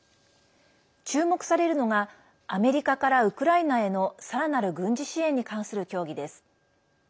注目されるのがアメリカからウクライナへのさらなる軍事支援に関する協議です。